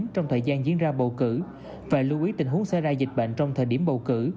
trong thời gian diễn ra bầu cử